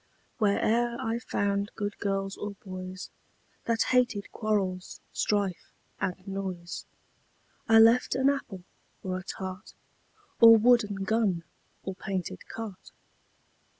Where e'er I found good girls or boys, That hated quarrels, strife and noise, I left an apple, or a tart, Or wooden gun, or painted cart.